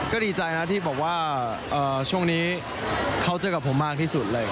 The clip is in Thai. ก็ดีใจนะที่บอกว่าช่วงนี้เขาเจอกับผมมากที่สุดเลย